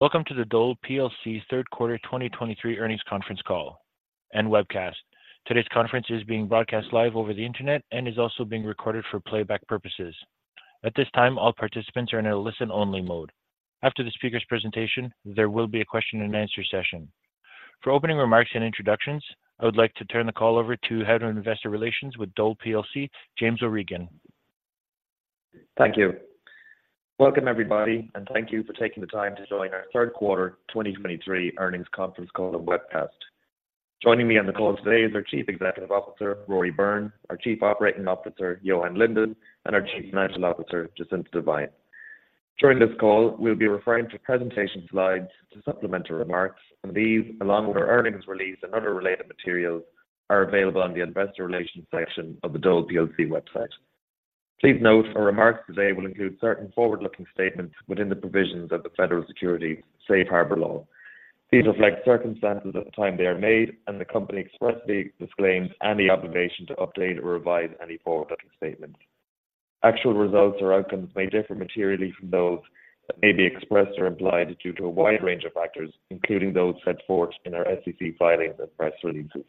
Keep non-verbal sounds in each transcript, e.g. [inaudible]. Welcome to the Dole plc Third Quarter 2023 Earnings conference Call and Webcast. Today's conference is being broadcast live over the Internet and is also being recorded for playback purposes. At this time, all participants are in a listen-only mode. After the speaker's presentation, there will be a question and answer session. For opening remarks and introductions, I would like to turn the call over to Head of Investor Relations with Dole plc, James O'Regan. Thank you. Welcome, everybody, and thank you for taking the time to join our third quarter 2023 earnings conference call and webcast. Joining me on the call today is our Chief Executive Officer, Rory Byrne, our Chief Operating Officer, Johan Lindén, and our Chief Financial Officer, Jacinta Devine. During this call, we'll be referring to presentation slides to supplement our remarks, and these, along with our earnings release and other related materials, are available on the Investor Relations section of the Dole plc website. Please note, our remarks today will include certain forward-looking statements within the provisions of the Federal Securities Safe Harbor Law. These reflect circumstances at the time they are made, and the company expressly disclaims any obligation to update or revise any forward-looking statements. Actual results or outcomes may differ materially from those that may be expressed or implied due to a wide range of factors, including those set forth in our SEC filings and press releases.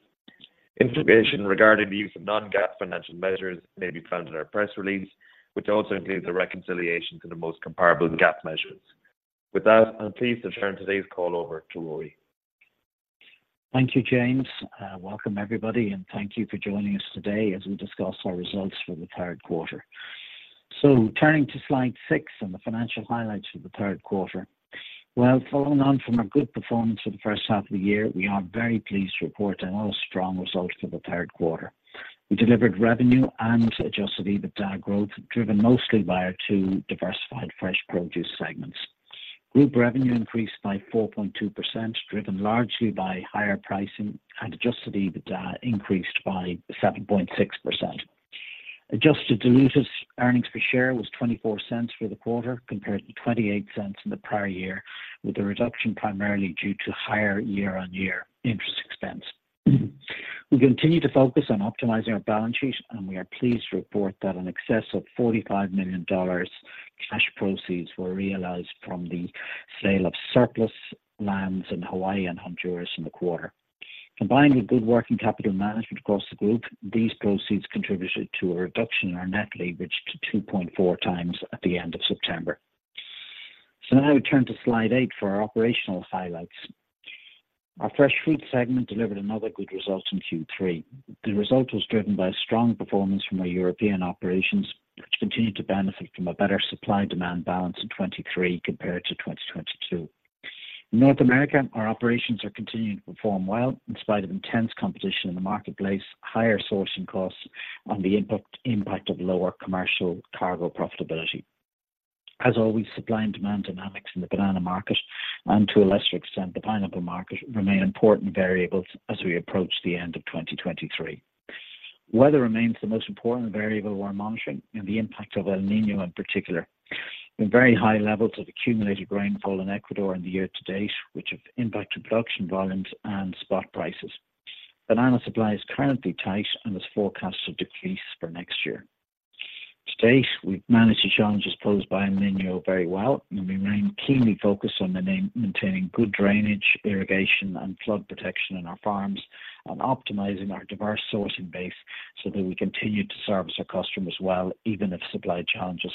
Information regarding the use of non-GAAP financial measures may be found in our press release, which also includes a reconciliation to the most comparable GAAP measures. With that, I'm pleased to turn today's call over to Rory. Thank you, James, and welcome, everybody, and thank you for joining us today as we discuss our results for the third quarter. So turning to slide six and the financial highlights for the third quarter. Well, following on from a good performance for the first half of the year, we are very pleased to report another strong result for the third quarter. We delivered revenue and Adjusted EBITDA growth, driven mostly by our two diversified fresh produce segments. Group revenue increased by 4.2%, driven largely by higher pricing and Adjusted EBITDA increased by 7.6%. Adjusted diluted earnings per share was $0.24 for the quarter, compared to $0.28 in the prior year, with the reduction primarily due to higher year-on-year interest expense. We continue to focus on optimizing our balance sheet, and we are pleased to report that in excess of $45 million cash proceeds were realized from the sale of surplus lands in Hawaii and Honduras in the quarter. Combined with good working capital management across the group, these proceeds contributed to a reduction in our net leverage to 2.4 times at the end of September. So now we turn to slide eight for our operational highlights. Our fresh food segment delivered another good result in Q3. The result was driven by strong performance from our European operations, which continued to benefit from a better supply-demand balance in 2023 compared to 2022. In North America, our operations are continuing to perform well in spite of intense competition in the marketplace, higher sourcing costs, and the impact of lower commercial cargo profitability. As always, supply and demand dynamics in the banana market, and to a lesser extent, the pineapple market, remain important variables as we approach the end of 2023. Weather remains the most important variable we're monitoring, and the impact of El Niño in particular. In very high levels of accumulated rainfall in Ecuador in the year to date, which have impacted production volumes and spot prices. Banana supply is currently tight and is forecast to decrease for next year. To date, we've managed the challenges posed by El Niño very well, and we remain keenly focused on maintaining good drainage, irrigation, and flood protection in our farms and optimizing our diverse sourcing base so that we continue to service our customers well, even if supply challenges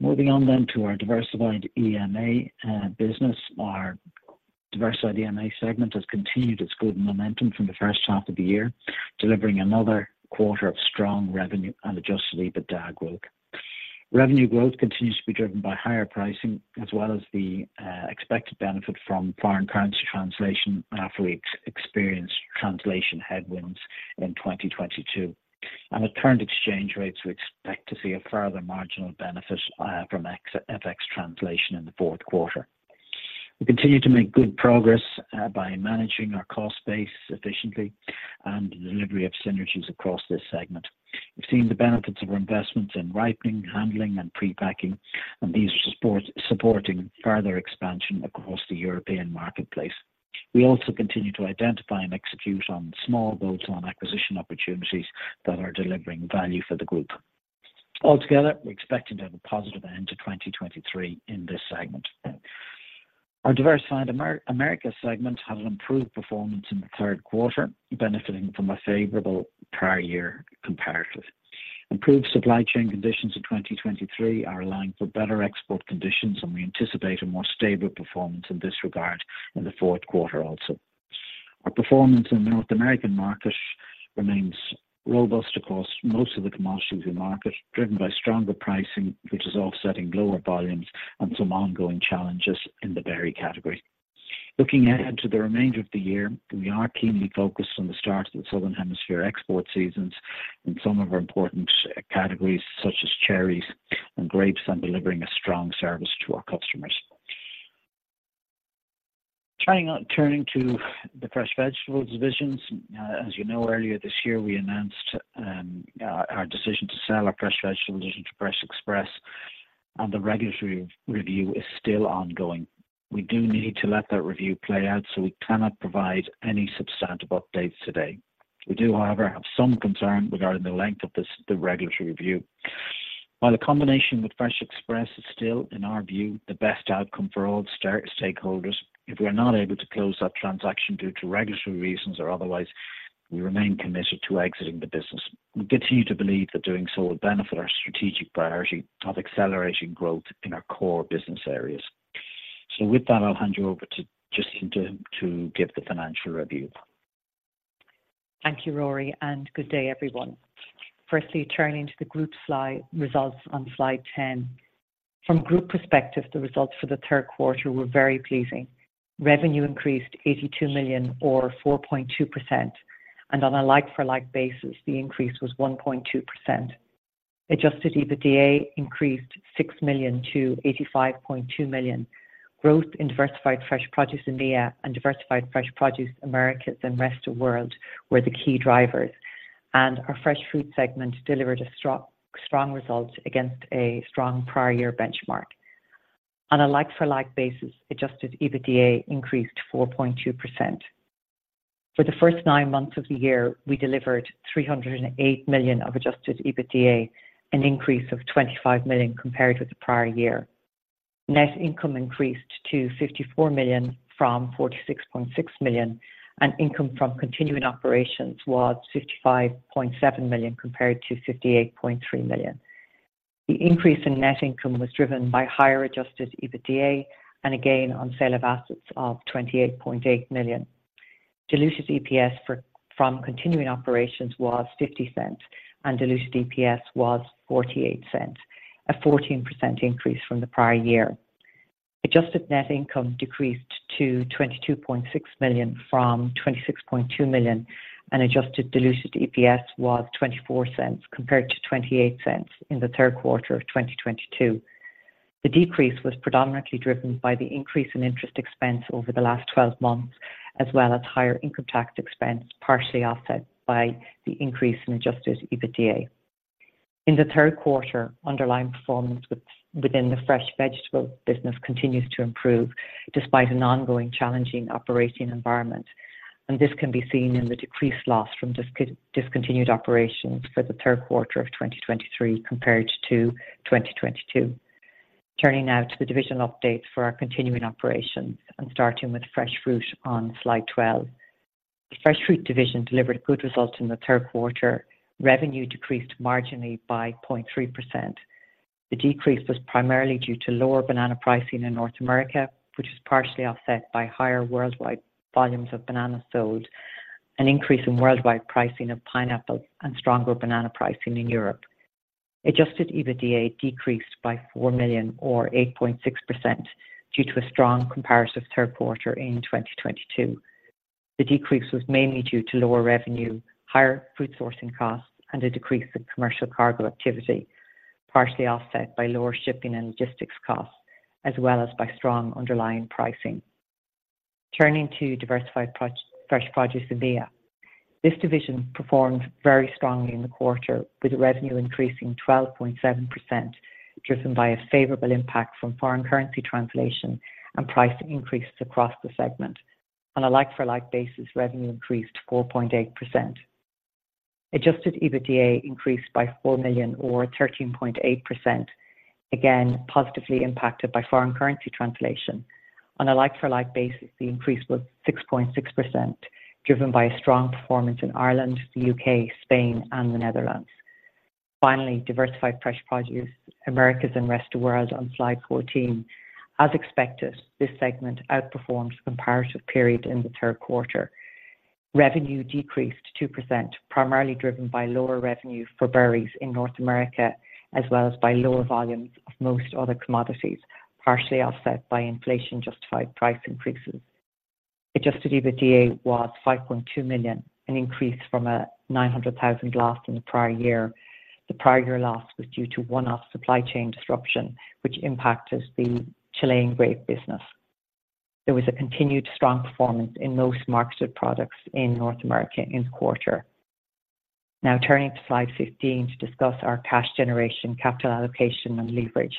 persist. Moving on then to our Diversified EMEA business. Our Diversified EMEA segment has continued its good momentum from the first half of the year, delivering another quarter of strong revenue and adjusted EBITDA growth. Revenue growth continues to be driven by higher pricing, as well as the expected benefit from foreign currency translation after we experienced translation headwinds in 2022. At current exchange rates, we expect to see a further marginal benefit from FX translation in the fourth quarter. We continue to make good progress by managing our cost base efficiently and the delivery of synergies across this segment. We've seen the benefits of our investments in ripening, handling, and prepacking, and these are supporting further expansion across the European marketplace. We also continue to identify and execute on small bolt-on acquisition opportunities that are delivering value for the group. Altogether, we're expecting to have a positive end to 2023 in this segment. Our Diversified Americas segment had an improved performance in the third quarter, benefiting from a favorable prior year comparative. Improved supply chain conditions in 2023 are allowing for better export conditions, and we anticipate a more stable performance in this regard in the fourth quarter also. Our performance in the North American market remains robust across most of the commodities we market, driven by stronger pricing, which is offsetting lower volumes and some ongoing challenges in the berry category. Looking ahead to the remainder of the year, we are keenly focused on the start of the Southern Hemisphere export seasons in some of our important categories, such as cherries and grapes, and delivering a strong service to our customers. Turning to the fresh vegetables divisions. As you know, earlier this year, we announced our decision to sell our fresh vegetables division to Fresh Express, and the regulatory review is still ongoing. We do need to let that review play out, so we cannot provide any substantive updates today. We do, however, have some concern regarding the length of this, the regulatory review. While the combination with Fresh Express is still, in our view, the best outcome for all stakeholders, if we are not able to close that transaction due to regulatory reasons or otherwise, we remain committed to exiting the business. We continue to believe that doing so will benefit our strategic priority of accelerating growth in our core business areas. So with that, I'll hand you over to Jacinta to give the financial review. Thank you, Rory, and good day, everyone. Firstly, turning to the group slide, results on slide 10. From group perspective, the results for the third quarter were very pleasing. Revenue increased $82 million or 4.2%, and on a like-for-like basis, the increase was 1.2%. Adjusted EBITDA increased $6 million to $85.2 million. Growth in Diversified Fresh Produce EMEA and Diversified Fresh Produce Americas and Rest of World were the key drivers, and our fresh food segment delivered a strong, strong result against a strong prior year benchmark. On a like-for-like basis, adjusted EBITDA increased 4.2%. For the first nine months of the year, we delivered $308 million of adjusted EBITDA, an increase of $25 million compared with the prior year. Net income increased to $54 million from $46.6 million, and income from continuing operations was $55.7 million compared to $58.3 million. The increase in net income was driven by higher Adjusted EBITDA and a gain on sale of assets of $28.8 million. Diluted EPS from continuing operations was $0.50, and diluted EPS was $0.48, a 14% increase from the prior year. Adjusted net income decreased to $22.6 million from $26.2 million, and adjusted diluted EPS was $0.24 compared to $0.28 in the third quarter of 2022. The decrease was predominantly driven by the increase in interest expense over the last twelve months, as well as higher income tax expense, partially offset by the increase in Adjusted EBITDA. In the third quarter, underlying performance within the fresh vegetable business continues to improve, despite an ongoing challenging operating environment, and this can be seen in the decreased loss from discontinued operations for the third quarter of 2023 compared to 2022. Turning now to the divisional updates for our continuing operations and starting with Fresh fruit on slide 12. The Fresh fruit division delivered a good result in the third quarter. Revenue decreased marginally by 0.3%. The decrease was primarily due to lower banana pricing in North America, which is partially offset by higher worldwide volumes of bananas sold, an increase in worldwide pricing of pineapple, and stronger banana pricing in Europe. Adjusted EBITDA decreased by $4 million or 8.6% due to a strong comparative third quarter in 2022. The decrease was mainly due to lower revenue, higher fruit sourcing costs, and a decrease in commercial cargo activity, partially offset by lower shipping and logistics costs, as well as by strong underlying pricing. Turning to Diversified Fresh Produce EMEA. This division performed very strongly in the quarter, with revenue increasing 12.7%, driven by a favorable impact from foreign currency translation and price increases across the segment. On a like-for-like basis, revenue increased 4.8%. Adjusted EBITDA increased by $4 million or 13.8%, again, positively impacted by foreign currency translation. On a like-for-like basis, the increase was 6.6%, driven by a strong performance in Ireland, the U.K., Spain, and the Netherlands. Finally, Diversified Fresh Produce Americas and Rest of World on slide 14. As expected, this segment outperformed the comparative period in the third quarter. Revenue decreased 2%, primarily driven by lower revenue for berries in North America, as well as by lower volumes of most other commodities, partially offset by inflation-justified price increases. Adjusted EBITDA was $5.2 million, an increase from a $900,000 loss in the prior year. The prior year loss was due to one-off supply chain disruption, which impacted the Chilean grape business. There was a continued strong performance in most marketed products in North America in the quarter. Now turning to slide 15 to discuss our cash generation, capital allocation, and leverage.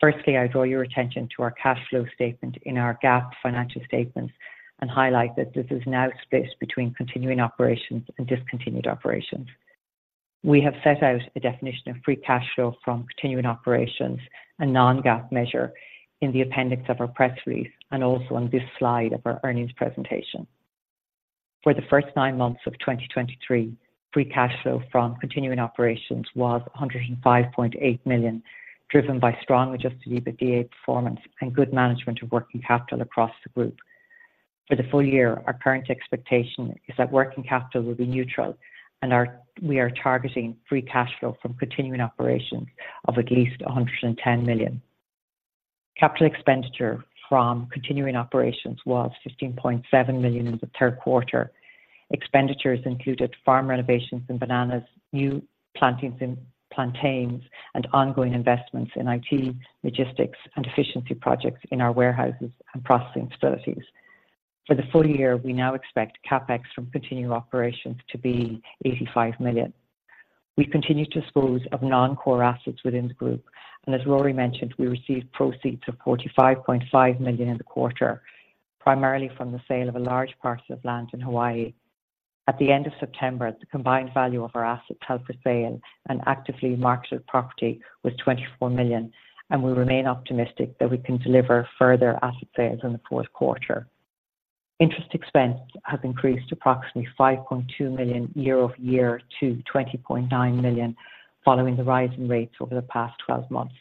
Firstly, I draw your attention to our cash flow statement in our GAAP financial statements and highlight that this is now split between continuing operations and discontinued operations. We have set out a definition of Free Cash Flow from continuing operations and non-GAAP measure in the appendix of our press release and also on this slide of our earnings presentation. For the first nine months of 2023, Free Cash Flow from continuing operations was $105.8 million, driven by strong Adjusted EBITDA performance and good management of working capital across the group. For the full year, our current expectation is that working capital will be neutral and we are targeting Free Cash Flow from continuing operations of at least $110 million. Capital expenditure from continuing operations was $15.7 million in the third quarter. Expenditures included farm renovations in bananas, new plantings in plantains, and ongoing investments in IT, logistics, and efficiency projects in our warehouses and processing facilities. For the full year, we now expect CapEx from continuing operations to be $85 million. We continue to dispose of non-core assets within the group, and as Rory mentioned, we received proceeds of $45.5 million in the quarter, primarily from the sale of a large parcel of land in Hawaii. At the end of September, the combined value of our assets held for sale and actively marketed property was $24 million, and we remain optimistic that we can deliver further asset sales in the fourth quarter. Interest expense has increased approximately $5.2 million year-over-year to $20.9 million, following the rise in rates over the past 12 months.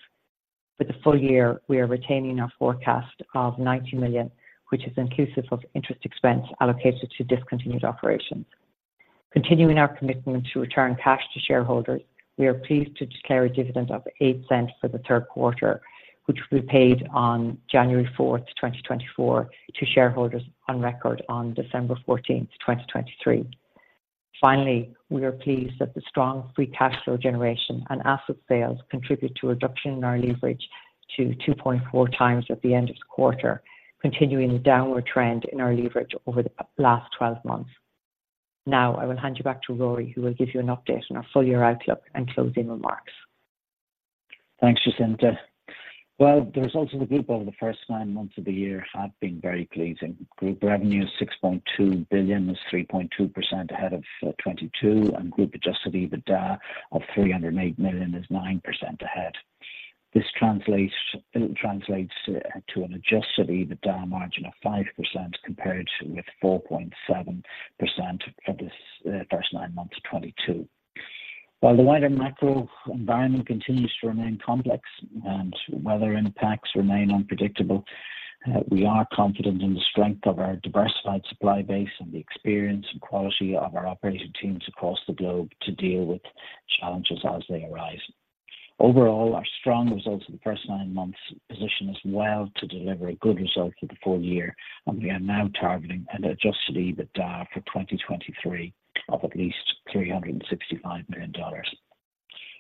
For the full year, we are retaining our forecast of $90 million, which is inclusive of interest expense allocated to discontinued operations. Continuing our commitment to return cash to shareholders, we are pleased to declare a dividend of $0.08 for the third quarter, which will be paid on January 4, 2024, to shareholders on record on December 14, 2023. Finally, we are pleased that the strong Free Cash Flow generation and asset sales contribute to a reduction in our leverage to 2.4 times at the end of the quarter, continuing the downward trend in our leverage over the last 12 months. Now, I will hand you back to Rory, who will give you an update on our full year outlook and closing remarks. Thanks, Jacinta. Well, the results of the group over the first nine months of the year have been very pleasing. Group revenue is $6.2 billion, is 3.2% ahead of 2022, and group Adjusted EBITDA of $308 million is 9% ahead. This translates, it translates to an Adjusted EBITDA margin of 5%, compared with 4.7% for this first nine months of 2022. While the wider macro environment continues to remain complex and weather impacts remain unpredictable, we are confident in the strength of our diversified supply base and the experience and quality of our operating teams across the globe to deal with challenges as they arise. Overall, our strong results in the first nine months position us well to deliver a good result for the full year, and we are now targeting an Adjusted EBITDA for 2023 of at least $365 million.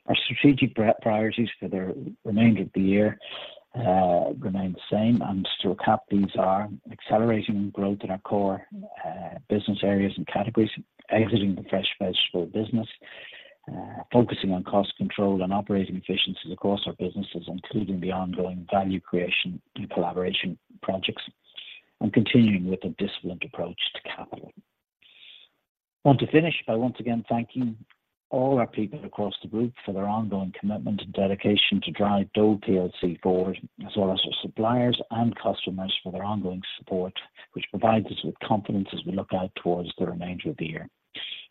Our strategic priorities for the remainder of the year remain the same, and to recap, these are accelerating growth in our core business areas and categories, exiting the fresh vegetable business, focusing on cost control and operating efficiencies across our businesses, including the ongoing value creation and collaboration projects, and continuing with a disciplined approach to capital. I want to finish by once again thanking all our people across the group for their ongoing commitment and dedication to drive Dole plc forward, as well as our suppliers and customers for their ongoing support, which provides us with confidence as we look out towards the remainder of the year.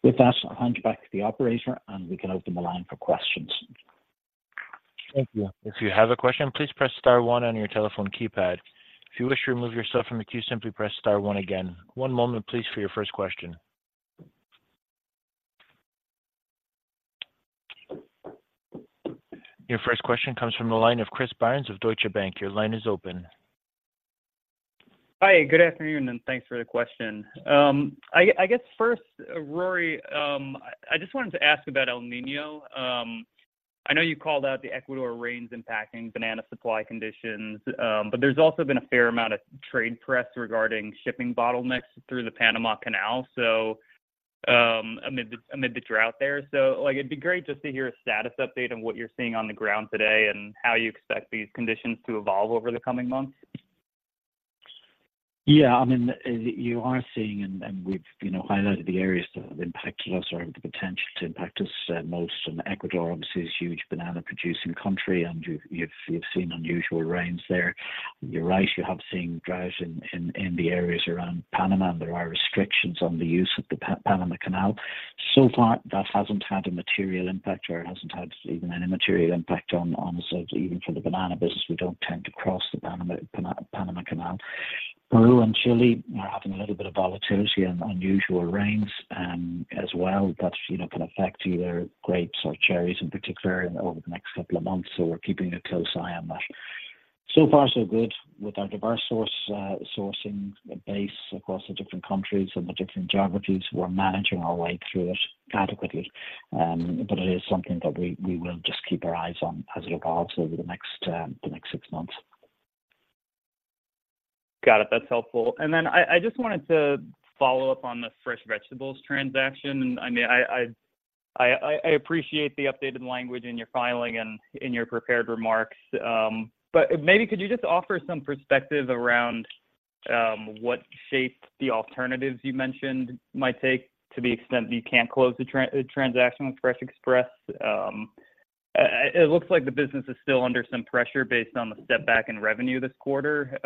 With that, I'll hand you back to the operator, and we can open the line for questions. Thank you. If you have a question, please press star one on your telephone keypad. If you wish to remove yourself from the queue, simply press star one again. One moment, please, for your first question. Your first question comes from the line of Chris Barnes of Deutsche Bank. Your line is open. Hi, good afternoon, and thanks for the question. I guess first, Rory, I just wanted to ask about El Niño. I know you called out the Ecuador rains impacting banana supply conditions, but there's also been a fair amount of trade press regarding shipping bottlenecks through the Panama Canal, so, amid the drought there. So like, it'd be great just to hear a status update on what you're seeing on the ground today and how you expect these conditions to evolve over the coming months. Yeah, I mean, you are seeing, and we've, you know, highlighted the areas that have impacted us or have the potential to impact us most. Ecuador, obviously, is a huge banana-producing country, and you've seen unusual rains there. You're right, you have seen droughts in the areas around Panama. There are restrictions on the use of the Panama Canal. So far, that hasn't had a material impact or it hasn't had even any material impact on the sales. Even for the banana business, we don't tend to cross the Panama Canal. Peru and Chile are having a little bit of volatility and unusual rains as well. That, you know, can affect either grapes or cherries in particular over the next couple of months, so we're keeping a close eye on that. So far, so good. With our diverse source, sourcing base across the different countries and the different geographies, we're managing our way through it adequately. But it is something that we will just keep our eyes on as it evolves over the next six months. Got it. That's helpful. And then I just wanted to follow up on the fresh vegetables transaction. I mean, I appreciate the updated language in your filing and in your prepared remarks, but maybe could you just offer some perspective around what shape the alternatives you mentioned might take to the extent that you can't close the transaction with Fresh Express? It looks like the business is still under some pressure based on the step back in revenue this quarter.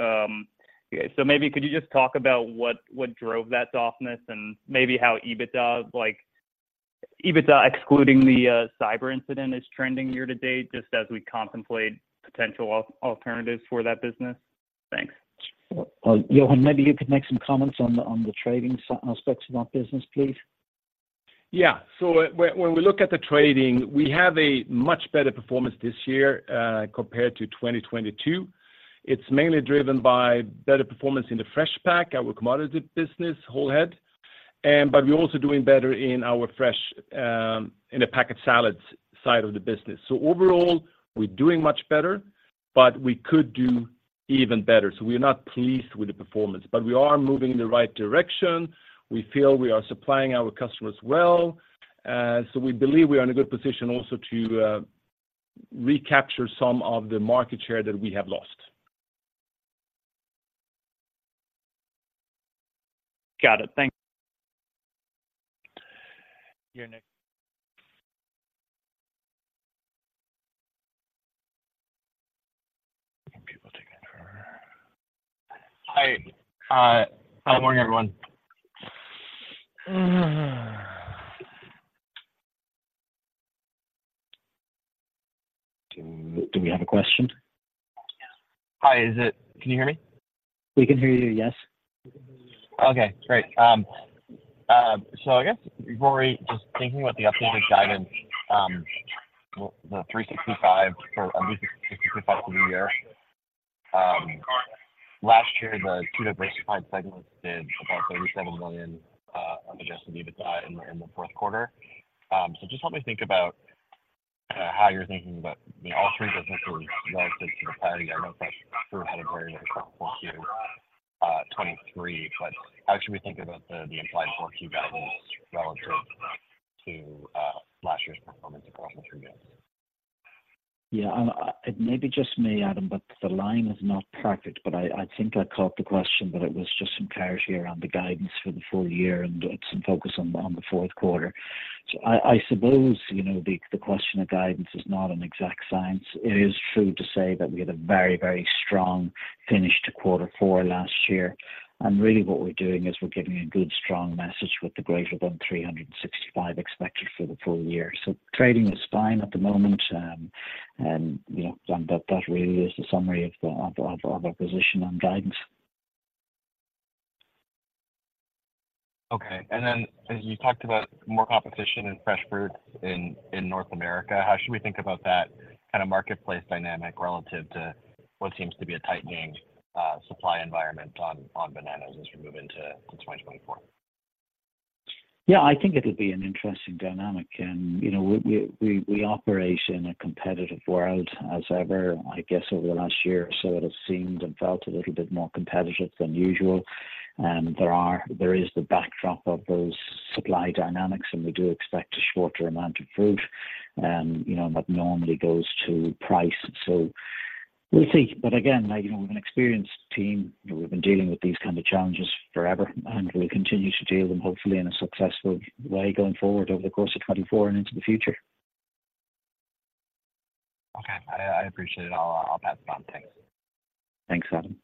So maybe could you just talk about what drove that softness and maybe how EBITDA excluding the cyber incident is trending year to date, just as we contemplate potential alternatives for that business? Thanks. Well, Johan, maybe you could make some comments on the trading aspects of that business, please. Yeah. So when we look at the trading, we have a much better performance this year compared to 2022. It's mainly driven by better performance in the fresh pack, our commodity business, Whole Head. But we're also doing better in our fresh, in the packed salads side of the business. So overall, we're doing much better, but we could do even better. So we are not pleased with the performance, but we are moving in the right direction. We feel we are supplying our customers well, so we believe we are in a good position also to recapture some of the market share that we have lost. Got it. Thank you. You're next. [audio distortion] Hi, good morning, everyone. Do we have a question? Hi, can you hear me? We can hear you, yes. Okay, great. So I guess, Rory, just thinking about the updated guidance, the $365 for under $665 for the year. Last year, the two diversified segments did about $37 million Adjusted EBITDA in the fourth quarter. So just help me think about how you're thinking about the all three businesses relative to the past. I know fresh food had a very strong full year 2023, but how should we think about the implied fourth quarter levels relative to last year's performance across the three businesses? Yeah, it may be just me, Adam, but the line is not perfect, but I think I caught the question, that it was just some clarity around the guidance for the full year and some focus on the fourth quarter. So I suppose, you know, the question of guidance is not an exact science. It is true to say that we had a very, very strong finish to quarter four last year, and really what we're doing is we're giving a good, strong message with the greater than $365 expected for the full year. So trading is fine at the moment, and you know, that really is the summary of our position on guidance. Okay. And then as you talked about more competition in fresh foods in North America, how should we think about that kind of marketplace dynamic relative to what seems to be a tightening supply environment on bananas as we move into 2024? Yeah, I think it'll be an interesting dynamic, and, you know, we operate in a competitive world as ever. I guess over the last year or so, it has seemed and felt a little bit more competitive than usual. There is the backdrop of those supply dynamics, and we do expect a shorter amount of fruit, you know, that normally goes to price. So we'll see. But again, you know, we have an experienced team, we've been dealing with these kind of challenges forever, and we'll continue to deal them hopefully in a successful way going forward over the course of 2024 and into the future. Okay. I appreciate it. I'll pass it on. Thanks. Thanks, Adam.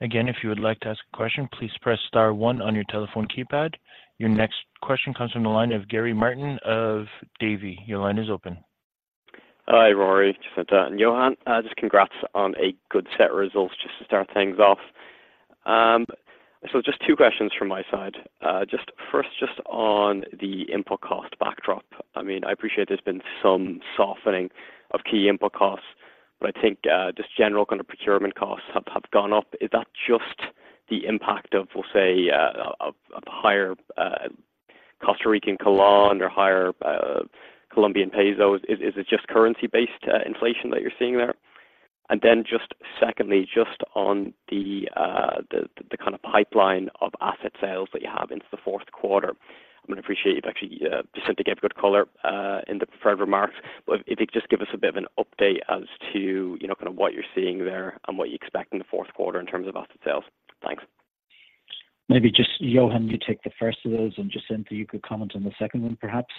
Again, if you would like to ask a question, please press star one on your telephone keypad. Your next question comes from the line of Gary Martin of Davy. Your line is open. Hi, Rory, Jacinta, and Johan. Just congrats on a good set of results just to start things off. So just two questions from my side. Just first, just on the input cost backdrop. I mean, I appreciate there's been some softening of key input costs, but I think just general kind of procurement costs have gone up. Is that just the impact of, we'll say, of higher Costa Rican colón or higher Colombian pesos? Is it just currency-based inflation that you're seeing there? And then just secondly, just on the kind of pipeline of asset sales that you have into the fourth quarter. I'm gonna appreciate you've actually, Jacinta, gave good color, in the prepared remarks, but if you just give us a bit of an update as to, you know, kind of what you're seeing there and what you expect in the fourth quarter in terms of asset sales? Thanks. Maybe just, Johan, you take the first of those, and, Jacinta, you could comment on the second one, perhaps.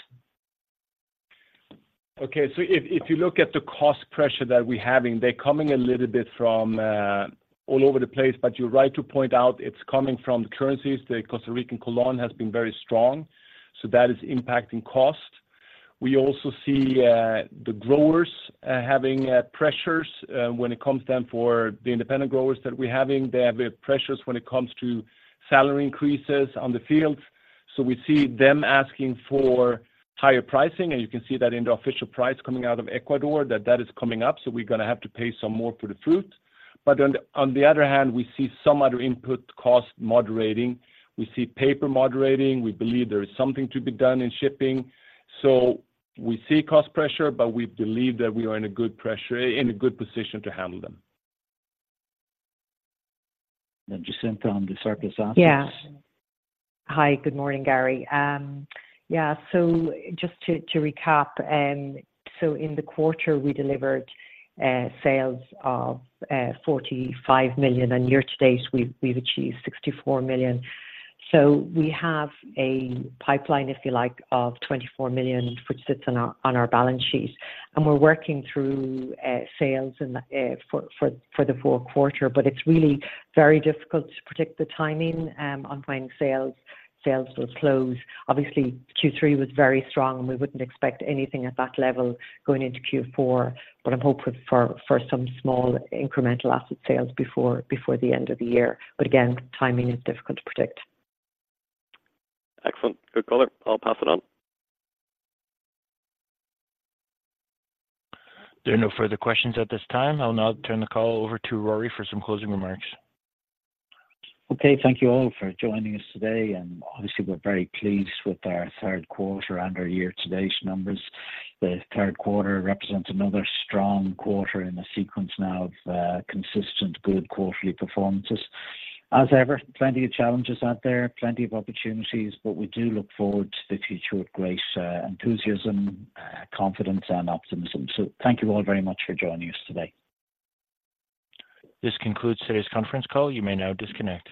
Okay. So if you look at the cost pressure that we're having, they're coming a little bit from all over the place, but you're right to point out it's coming from the currencies. The Costa Rican colón has been very strong, so that is impacting cost. We also see the growers having pressures when it comes down for the independent growers that we're having; they have pressures when it comes to salary increases on the field. So we see them asking for higher pricing, and you can see that in the official price coming out of Ecuador, that that is coming up, so we're gonna have to pay some more for the fruit. But on the other hand, we see some other input costs moderating. We see paper moderating. We believe there is something to be done in shipping. So we see cost pressure, but we believe that we are in a good position to handle them. Then, Jacinta, on the surplus assets. Yeah. Hi, good morning, Gary. Yeah, so just to recap, so in the quarter, we delivered sales of $45 million, and year to date, we've achieved $64 million. So we have a pipeline, if you like, of $24 million, which sits on our balance sheet, and we're working through sales and for the fourth quarter. But it's really very difficult to predict the timing on when sales will close. Obviously, Q3 was very strong, and we wouldn't expect anything at that level going into Q4, but I'm hopeful for some small incremental asset sales before the end of the year. But again, timing is difficult to predict. Excellent. Good call there. I'll pass it on. There are no further questions at this time. I'll now turn the call over to Rory for some closing remarks. Okay, thank you all for joining us today, and obviously, we're very pleased with our third quarter and our year-to-date numbers. The third quarter represents another strong quarter in a sequence now of consistent good quarterly performances. As ever, plenty of challenges out there, plenty of opportunities, but we do look forward to the future with great enthusiasm, confidence, and optimism. So thank you all very much for joining us today. This concludes today's conference call. You may now disconnect.